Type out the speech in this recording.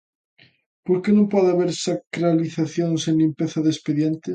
Porque non pode haber sacralización sen limpeza de expediente.